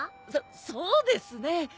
そそうですね。